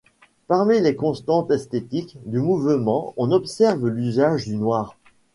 Parmi les constantes esthétiques du mouvement on observe l'usage du noir.